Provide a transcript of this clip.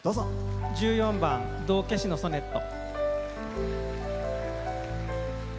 １４番「道化師のソネット」。